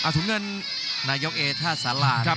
ตรงนึงนายกแยกทหัสสาระครับ